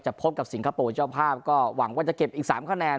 พบกับสิงคโปร์เจ้าภาพก็หวังว่าจะเก็บอีก๓คะแนน